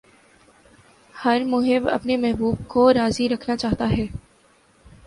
ہر محب اپنے محبوب کو راضی رکھنا چاہتا ہے